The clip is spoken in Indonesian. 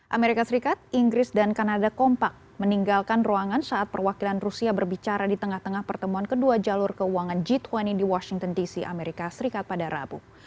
amerika serikat inggris dan kanada kompak meninggalkan ruangan saat perwakilan rusia berbicara di tengah tengah pertemuan kedua jalur keuangan g dua puluh di washington dc amerika serikat pada rabu